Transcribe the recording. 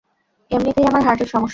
এমনিতেই আমার হার্টের সমস্যা।